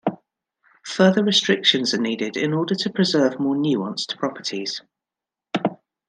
Further restrictions are needed in order to preserve more nuanced properties.